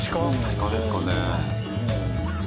鹿ですかね？